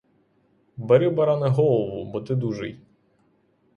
Бери, баране, голову, бо ти дужий.